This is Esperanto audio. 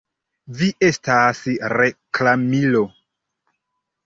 Vi estas reklamilo!?